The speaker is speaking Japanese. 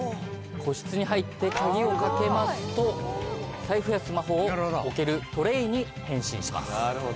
個室に入って鍵を掛けますと財布やスマホを置けるトレイに変身します。